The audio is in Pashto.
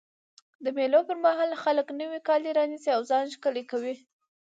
د مېلو پر مهال خلک نوی کالي رانيسي او ځان ښکلی کوي.